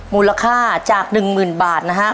มูลค่าจาก๑๐๐๐บาทนะฮะ